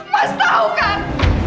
mas tau kan